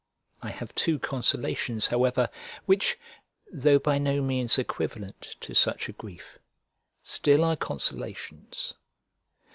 I have two consolations, however, which, though by no means equivalent to such a grief, still are consolations.